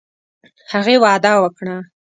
هغې وعده وکړه.